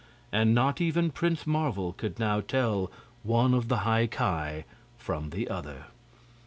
And not even Prince Marvel could now tell one of the High Ki from the other.